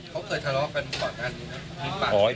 เขาเคยทะเลาะกันก่อนนะ